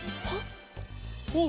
おっ！